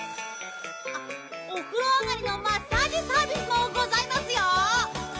おふろ上がりのマッサージサービスもございますよ。